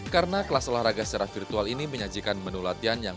karena kelas olahraga secara virtual ini menyajikan menu latihan